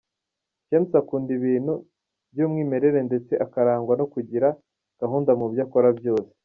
James akunda ibintu by’umwimerere ndetse akarangwa no kugira gahunda mu byo akora byose.